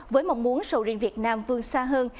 với mong muốn sầu riêng việt nam vương xa hơn